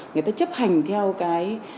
người ta chấp hành theo cái